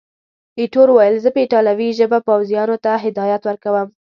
ایټور وویل، زه په ایټالوي ژبه پوځیانو ته هدایات ورکوم.